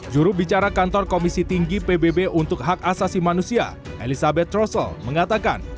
juru bicara kantor komisi tinggi pbb untuk hak asasi manusia elizabeth trussell mengatakan